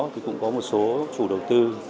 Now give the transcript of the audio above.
thì cũng có một số chủ đầu tư